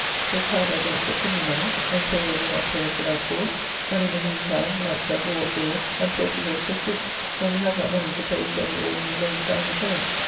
They clamour against the chimney money, and say they will not pay it without force. And in the mean time, like to have war abroad; and Portugall to assist, when we have not money to pay for any ordinary layings out at home.